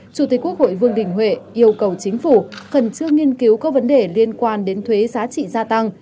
chủ tịch quốc hội vương đình huệ yêu cầu chính phủ khẩn trương nghiên cứu các vấn đề liên quan đến thuế giá trị gia tăng